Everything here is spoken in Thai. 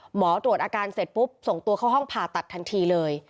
หมอตรวจอาการเสร็จปุ๊บส่งตัวเข้าห้องผ่าตัดทันทีเลย